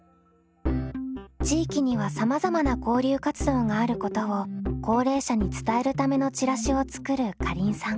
地域にはさまざまな交流活動があることを高齢者に伝えるためのチラシを作るかりんさん。